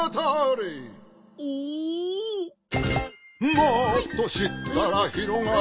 「もっとしったらひろがるよ」